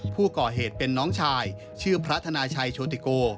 ผู้ก่อเหตุเป็นน้องชายชื่อพระธนาชัยโชติโก